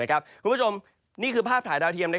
คุณผู้ชมนี่คือภาพถ่ายดาวเทียม